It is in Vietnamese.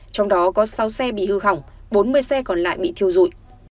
trong đó có sáu xe bị hư khỏng bốn mươi xe còn lại bị thiêu rụi